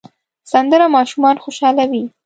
سندره ماشومان خوشحالوي